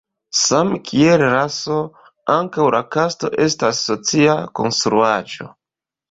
Same kiel raso, ankaŭ la kasto estas socia konstruaĵo.